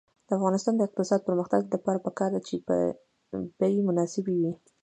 د افغانستان د اقتصادي پرمختګ لپاره پکار ده چې بیې مناسبې وي.